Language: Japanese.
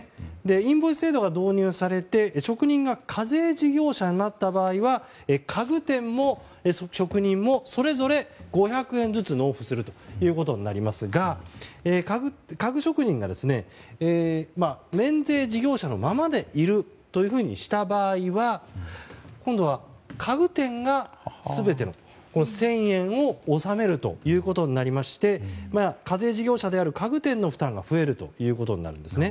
インボイス制度が導入されて職人が課税事業者になった場合は家具店も職人もそれぞれ５００円ずつ納付しますが家具職人が免税事業者のままでいるとした場合は今度は家具店が１０００円を納めるということになりまして課税事業者である家具店の負担が増えることになります。